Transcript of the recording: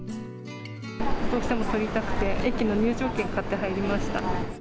どうしても撮りたくて、駅の入場券買って入りました。